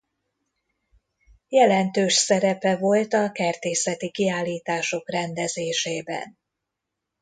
Jelentős szerepe volt a kertészeti kiállítások rendezésében.